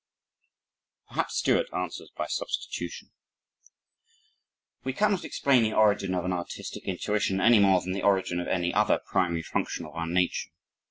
Perhaps Sturt answers by substitution: "We cannot explain the origin of an artistic intuition any more than the origin of any other primary function of our nature.